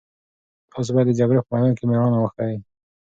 تاسو باید د جګړې په میدان کې مېړانه وښيئ.